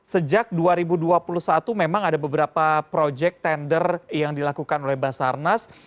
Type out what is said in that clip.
sejak dua ribu dua puluh satu memang ada beberapa proyek tender yang dilakukan oleh basarnas